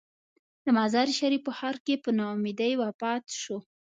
د مزار شریف په ښار کې په نا امیدۍ وفات شو.